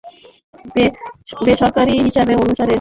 বেসরকারী হিসাব অনুসারে বেশিরভাগ ভোটার শিয়া।